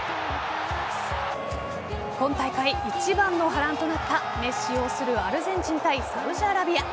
今大会一番の波乱となったメッシ擁するアルゼンチン対サウジアラビア。